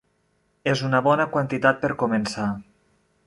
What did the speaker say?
És una bona quantitat per començar.